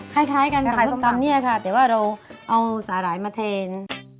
คล้ายกันกับส้มตำเนี่ยค่ะแต่ว่าเราเอาสาหร่ายมาแทน